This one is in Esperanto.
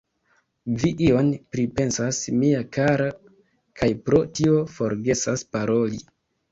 Vi ion pripensas, mia kara, kaj pro tio forgesas paroli.